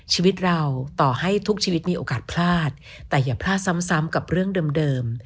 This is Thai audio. ชีวิตเราต่อให้ทุกชีวิตมีโอกาสพลาดแต่อย่าพลาดซ้ำกับเรื่องเดิม